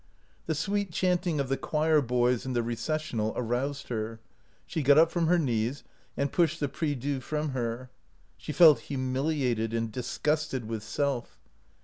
The sweet chanting of the choir boys in the recessional aroused her. She got up from her knees and pushed the prie dieu from her. She felt humiliated and disgusted with self.